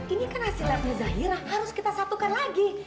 ini kan hasilnya zahira harus kita satukan lagi